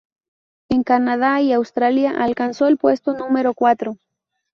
En Canadá y Australia alcanzó el puesto número cuatro.